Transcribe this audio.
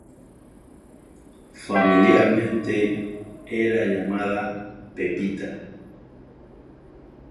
Familiarmente era llamada "Pepita".